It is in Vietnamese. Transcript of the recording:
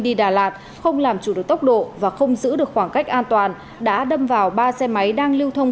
đi đà lạt không làm chủ được tốc độ và không giữ được khoảng cách an toàn đã đâm vào ba xe máy đang lưu thông